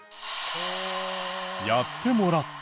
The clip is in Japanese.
やってもらった。